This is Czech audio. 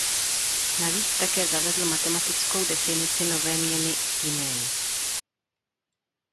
Navíc také zavedl matematickou definici nové měny guiney.